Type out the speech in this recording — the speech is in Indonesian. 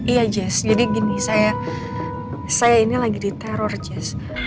iya jess jadi gini saya ini lagi diteror jess